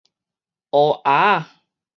烏鴉仔